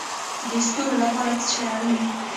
د ستورو لپاره څه شی اړین دی؟